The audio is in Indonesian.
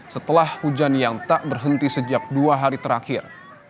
setelah hujan yang tak berhenti sejak dua hari terakhir